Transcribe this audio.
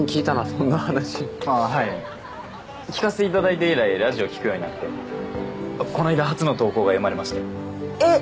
そんな話あっはい聴かせていただいて以来ラジオ聴くようになってこないだ初の投稿が読まれましてえっ？